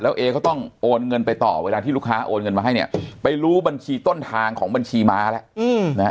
เอก็ต้องโอนเงินไปต่อเวลาที่ลูกค้าโอนเงินมาให้เนี่ยไปรู้บัญชีต้นทางของบัญชีม้าแล้วนะฮะ